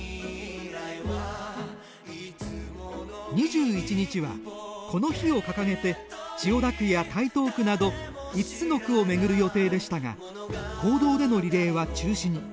２１日は、この火を掲げて千代田区や台東区など５つの区を巡る予定でしたが公道でのリレーは中止に。